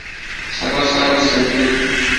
سبا سهار به سره ګورو.